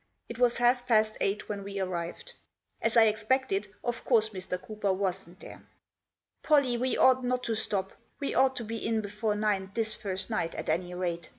It was half past eight when we arrived. As I expected, of course Mr. Cooper wasn't there. " Pollie, we ought not to stop. We ought to be in before nine this first night, at any rate.